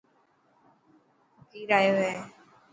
فقير ايو هي.